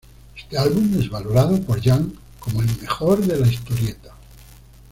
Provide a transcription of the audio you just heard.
Este álbum es valorado por Jan como el mejor de la historieta.